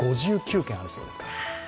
５９件あるそうですから。